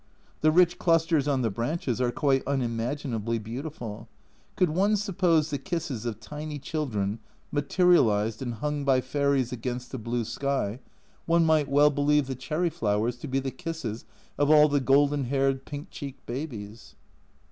The rich clusters on the branches are quite unimaginably beautiful ; could one suppose the kisses of tiny children material ised and hung by fairies against the blue sky, one A Journal from Japan 143 might well believe the cherry flowers to be the kisses of all the golden haired pink cheeked babies.